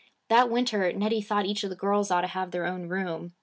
That winter Nettie thought each of the girls ought to have their own room.